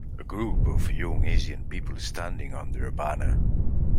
A group of young Asian people standing under a banner.